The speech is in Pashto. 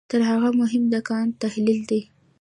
تر هغه مهم د کانټ تحلیل دی.